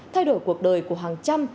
thay đổi cuộc đời của hàng trăm